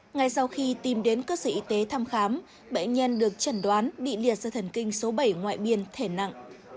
ngay sau khi tìm đến cơ sở y tế thăm khám bệnh nhân được chẩn đoán bị liệt do thần kinh số bảy ngoại biên thể nặng